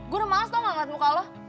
gue udah males tau gak ngeliat muka lo